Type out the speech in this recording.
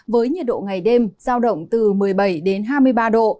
với nhiệt độ ngày đêm giao động từ một mươi bảy đến hai mươi ba độ